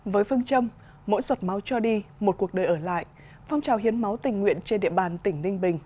với phương châm mỗi sọt máu cho đi một cuộc đời ở lại phong trào hiến máu tình nguyện trên địa bàn tỉnh ninh bình